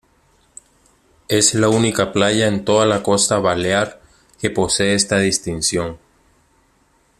Es la única playa en toda la costa balear que posee esta distinción.